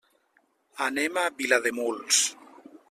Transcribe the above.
Anem a Vilademuls.